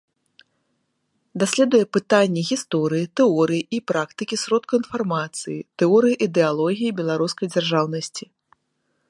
Даследуе пытанні гісторыі, тэорыі і практыкі сродкаў інфармацыі, тэорыі ідэалогіі беларускай дзяржаўнасці.